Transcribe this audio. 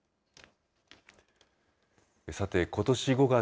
さて、ことし５月、